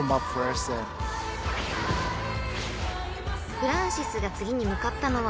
［フランシスが次に向かったのは］